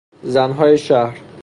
زنهای شهر